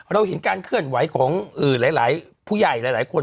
เราเห็นการเคลื่อนไหวของหลายผู้ใหญ่หลายคน